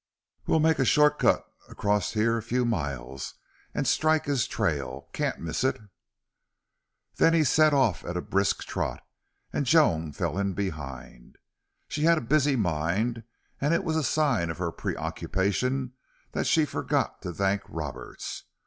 "We'll make a short cut across here a few miles, an' strike his trail. Can't miss it." Then he set off at a brisk trot and Joan fell in behind. She had a busy mind, and it was a sign of her preoccupation that she forgot to thank Roberts.